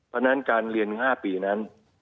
เพราะฉะนั้นการเรียน๕ปีนั้น